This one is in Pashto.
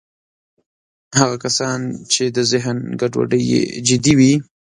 هغه کسان چې د ذهن ګډوډۍ یې جدي وي